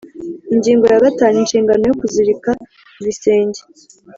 Ingingo ya gatanu Inshingano yo kuzirika ibisenge